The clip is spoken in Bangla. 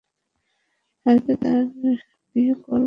হয়তো তার বিয়ে করাবো নয়তো মেরে ফেলবো।